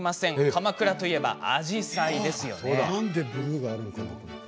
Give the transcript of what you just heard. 鎌倉といえば紫陽花ですよね。